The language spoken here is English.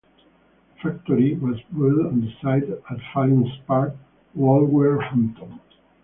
A factory was built on the site at Fallings Park, Wolverhampton.